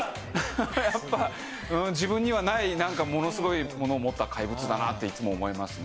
やっぱ、自分にはないなんかものすごいものを持った怪物だなって、いつも思いますね。